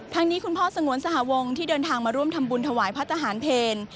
นี้คุณพ่อสงวนสหวงที่เดินทางมาร่วมทำบุญถวายพระทหารเพล